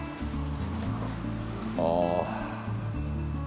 ああ。